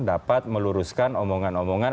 dapat meluruskan omongan omongan